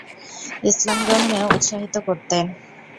ইসলাম গ্রহণে উৎসাহিত করতেন।